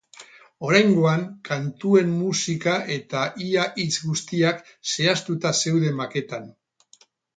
Oraingoan, kantuen musika eta ia hitz guztiak zehaztuta zeuden maketan.